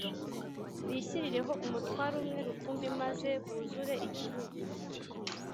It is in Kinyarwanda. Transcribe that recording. bishyirireho umutware umwe rukumbi maze buzure igihugu;